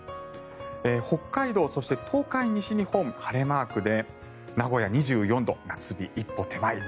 北海道、そして東海、西日本晴れマークで名古屋、２４度夏日一歩手前。